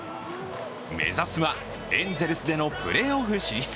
目指すはエンゼルスでのプレーオフ進出。